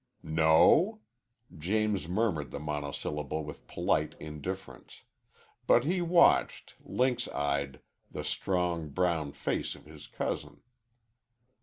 "No?" James murmured the monosyllable with polite indifference. But he watched, lynx eyed, the strong, brown face of his cousin.